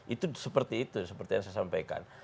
itu seperti itu seperti yang saya sampaikan